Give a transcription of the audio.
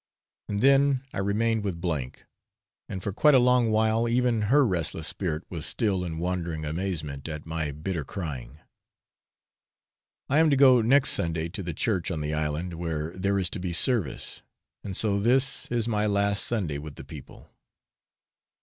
And then I remained with S , and for quite a long while even her restless spirit was still in wondering amazement at my bitter crying. I am to go next Sunday to the church on the island, where there is to be service; and so this is my last Sunday with the people.